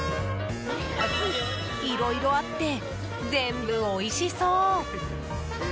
いろいろあって全部おいしそう。